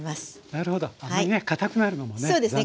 なるほどあまりねかたくなるのも残念ですね。